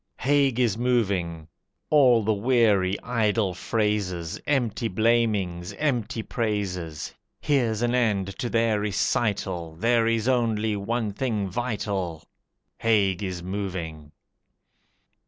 Haig is moving! All the weary idle phrases, Empty blamings, empty praises, Here's an end to their recital, There is only one thing vital Haig is moving!